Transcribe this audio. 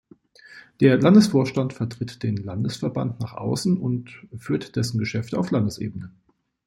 Der Landesvorstand vertritt den Landesverband nach außen und führt dessen Geschäfte auf Landesebene.